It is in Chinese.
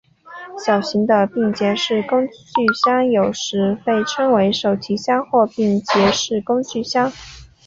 小型的便携式工具箱有时被称为手提箱或便携式工具箱。